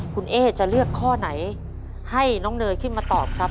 คุณเอ๊จะเลือกข้อไหนให้น้องเนยขึ้นมาตอบครับ